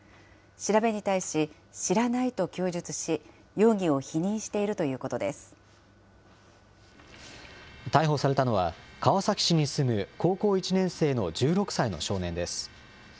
調べに対し、知らないと供述し、容疑を否認しているということで逮捕されたのは、川崎市に住む高校１年生の１６歳の少年です。